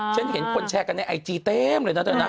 ฉันเห็นคนแชร์กันในไอจีเต็มเลยนะเธอนะ